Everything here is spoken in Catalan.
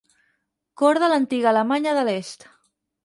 Corda a l'antiga Alemanya de l'Est.